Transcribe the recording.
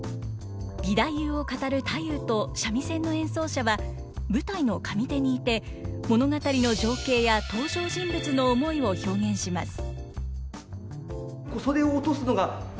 義太夫を語る太夫と三味線の演奏者は舞台の上手にいて物語の情景や登場人物の思いを表現します。